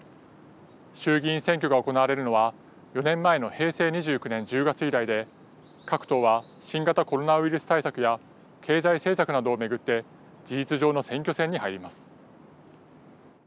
衆議院選挙が行われるのは４年前の平成２９年１０月以来で各党は新型コロナウイルス対策や経済政策などを巡って事実上の選挙戦に入ります。